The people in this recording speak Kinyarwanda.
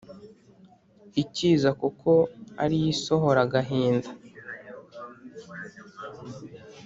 Ikiza kuko ari yo isohora agahinda